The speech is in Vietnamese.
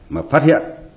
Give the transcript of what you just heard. mà phát hiện